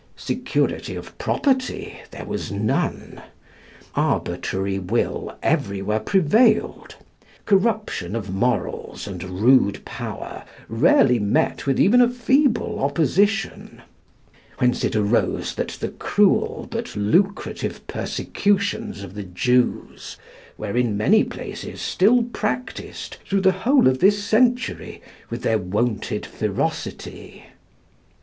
Security of property there was none; arbitrary will everywhere prevailed; corruption of morals and rude power rarely met with even a feeble opposition; whence it arose that the cruel, but lucrative, persecutions of the Jews were in many places still practised through the whole of this century with their wonted ferocity.